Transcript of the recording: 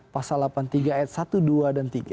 pasal delapan puluh tiga ayat satu dua dan tiga